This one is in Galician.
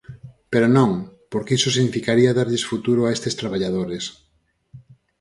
Pero non, porque iso significaría darlles futuro a estes traballadores.